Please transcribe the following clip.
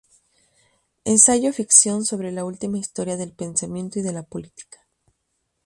Ensayo ficción sobre la última historia del pensamiento y de la política.